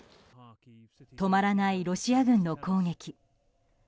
止まらないロシア軍の攻撃。